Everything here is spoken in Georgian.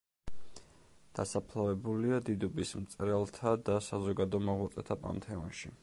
დასაფლავებულია დიდუბის მწერალთა და საზოგადო მოღვაწეთა პანთეონში.